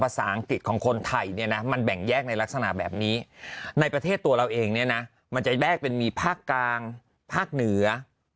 ภาษาอังกฤษของคนไทยเนี่ยนะมันแบ่งแยกในลักษณะแบบนี้ในประเทศตัวเราเองเนี่ยนะมันจะแยกเป็นมีภาคกลางภาคเหนือ